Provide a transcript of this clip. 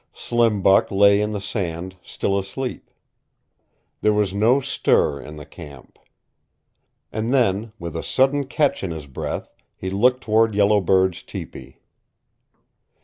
Slim Buck lay in the sand, still asleep. There was no stir in the camp. And then, with a sudden catch in his breath, he looked toward Yellow Bird's tepee.